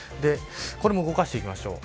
これも動かしていきましょう。